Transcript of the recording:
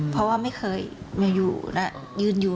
เพราะว่าไม่เคยมาอยู่น่ะยืน